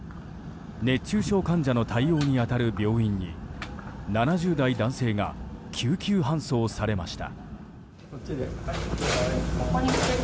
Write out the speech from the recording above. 熱中症患者の対応に当たる病院に７０代男性が救急搬送されました。